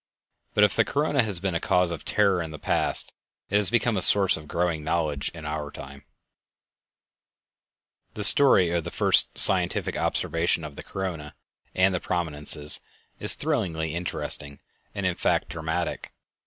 But if the corona has been a cause of terror in the past it has become a source of growing knowledge in our time. [Illustration: The Corona] The story of the first scientific observation of the corona and the prominences is thrillingly interesting, and in fact dramatic.